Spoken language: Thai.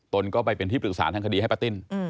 ตนก็ไปเป็นที่ปรึกษาทางคดีให้ป้าติ้น